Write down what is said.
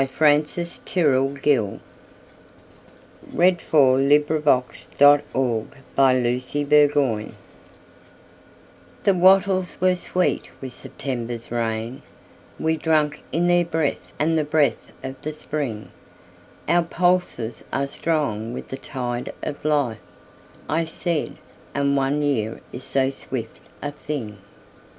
Frances Tyrrell Gill Beneath the Wattle Boughs THE WATTLES were sweet with September's rain, We drank in their breath and the breath of the spring:"Our pulses are strong with the tide of life,"I said, "and one year is so swift a thing!"